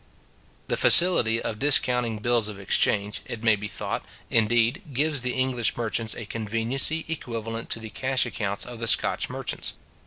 The facility of discounting bills of exchange, it may be thought, indeed, gives the English merchants a conveniency equivalent to the cash accounts of the Scotch merchants.